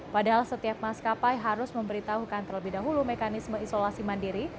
padahal setiap maskapai harus memberitahukan terlebih dahulu mekanisme isolasi mandiri